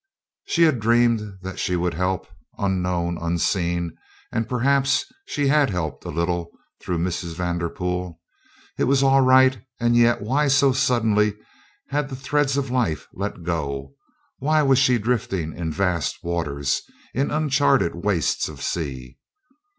She had dreamed that she would help unknown, unseen and perhaps she had helped a little through Mrs. Vanderpool. It was all right, and yet why so suddenly had the threads of life let go? Why was she drifting in vast waters; in uncharted wastes of sea?